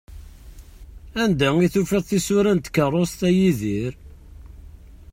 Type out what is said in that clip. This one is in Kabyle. Anda i tufiḍ tisura n tkerrust, a Yidir?